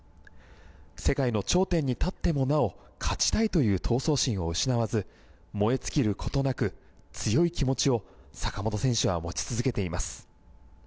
世界の頂点に立ってもなお勝ちたいという闘争心を失わず燃え尽きることなく強い気持ちを坂本選手は持ち続けています。